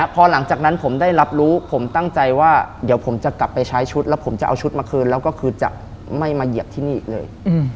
พอหลังจากนั้นผมได้รับรู้ผมตั้งใจว่าเดี๋ยวผมจะกลับไปใช้ชุดแล้วผมจะเอาชุดมาคืนแล้วก็คือจะไม่มาเหยียบที่นี่อีกเลย